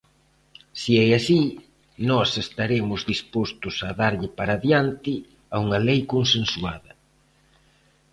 Se é así, nós estaremos dispostos a darlle para diante a unha lei consensuada.